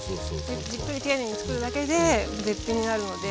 じっくり丁寧につくるだけで絶品になるので。